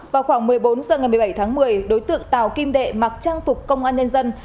vào khoảng một mươi bốn h ngày một mươi bảy tháng một mươi đối tượng tào kim đệ mặc trang phục công an nhân dân